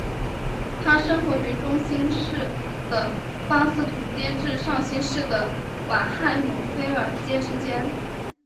它生活于中新世的巴斯图阶至上新世的晚亥姆菲尔阶之间。